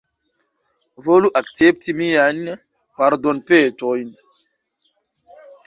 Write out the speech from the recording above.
Volu akcepti miajn pardonpetojn.